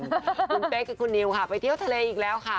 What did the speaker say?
คุณเป๊กกับคุณนิวค่ะไปเที่ยวทะเลอีกแล้วค่ะ